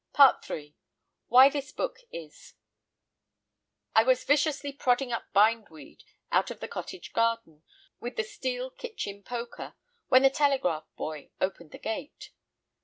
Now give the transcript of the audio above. III. Why this Book is I was viciously prodding up bindweed out of the cottage garden, with the steel kitchen poker, when the telegraph boy opened the gate.